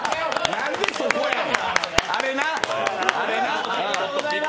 なんで、そこやねん。